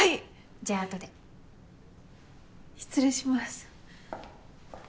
じゃああとで失礼します